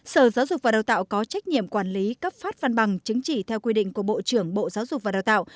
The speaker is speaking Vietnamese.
sở giáo dục và đào tạo có trách nhiệm quản lý cấp phát văn bằng chứng chỉ theo quy định của bộ trưởng bộ giáo dục và đào tạo